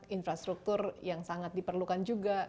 infrastruktur yang sangat diperlukan juga